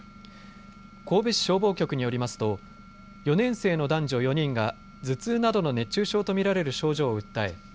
神戸市消防局によりますと４年生の男女４人が頭痛などの熱中症と見られる症状を訴え